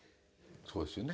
そうですよね。